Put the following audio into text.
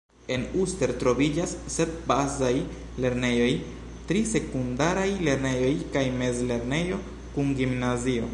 En Uster troviĝas sep bazaj lernejoj, tri sekundaraj lernejoj kaj mezlernejo kun gimnazio.